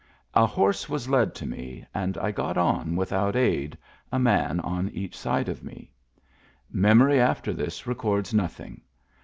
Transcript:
A horse was led to me, and I got on without aid, a man on each side of me. Memory after this records nothing.